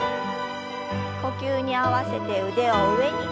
呼吸に合わせて腕を上に。